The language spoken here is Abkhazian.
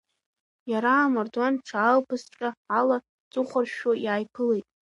Иара амардуан дшаалбаазҵәҟьа, ала ҵыхәаршәшәо иааиԥылеит.